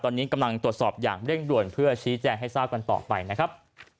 ตอนนี้กำลังตรวจสอบอย่างเร่งด่วนเพื่อชี้แจงให้ทราบกันต่อไปนะครับ